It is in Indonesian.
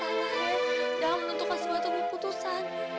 dalam menentukan sebuah sebuah keputusan